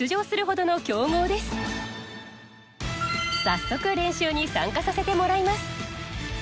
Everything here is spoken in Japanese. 早速練習に参加させてもらいます。